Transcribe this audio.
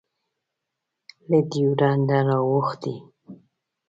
له ډیورنډه رااوښتی